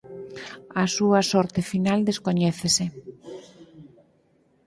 A súa sorte final descoñécese.